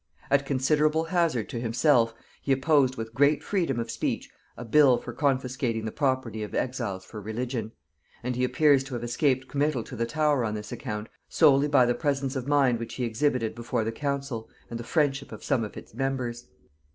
At considerable hazard to himself, he opposed with great freedom of speech a bill for confiscating the property of exiles for religion; and he appears to have escaped committal to the Tower on this account, solely by the presence of mind which he exhibited before the council and the friendship of some of its members.